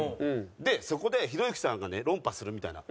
でそこでひろゆきさんがね論破するみたいな。